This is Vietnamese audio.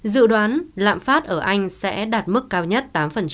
dự đoán lạm phát ở anh sẽ đạt mức cao nhất tám